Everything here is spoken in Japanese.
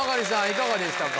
いかがでしたか？